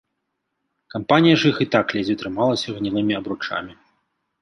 Кампанія ж іх і так ледзьве трымалася гнілымі абручамі.